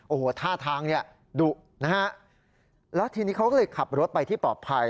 โอ้โหท่าทางเนี่ยดุนะฮะแล้วทีนี้เขาก็เลยขับรถไปที่ปลอดภัย